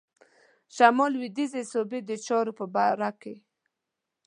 شمال لوېدیځي صوبې د چارو په باره کې.